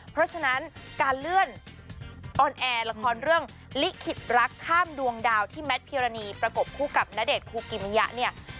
เพราะฉะนั้นการเลื่อนออนแอร์ละครเรื่องลิขิตรักข้ามดวงดาวที่แมทพิรณีประกบคู่กับณเดชนคูกิมิยะเนี่ย